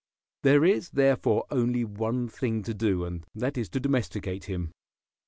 There is, therefore, only one thing to do, and that is to domesticate him.